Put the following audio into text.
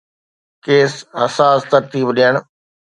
ڪيس-حساس ترتيب ڏيڻ